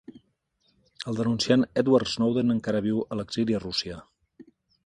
El denunciant Edward Snowden encara viu a l'exili a Rússia.